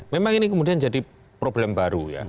memang ini kemudian jadi problem baru ya